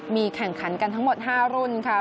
มีแข่งขันกันทั้งหมด๕รุ่นค่ะ